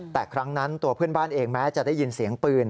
แต่ครั้งนั้นตัวเพื่อนบ้านเองแม้จะได้ยินเสียงปืน